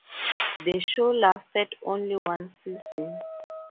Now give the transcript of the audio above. The show lasted only one season.